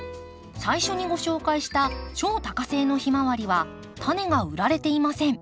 最初にご紹介した超多花性のヒマワリはタネが売られていません。